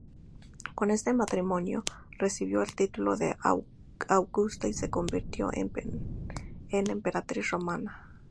Con este matrimonio, recibió el título de Augusta y se convirtió en emperatriz romana.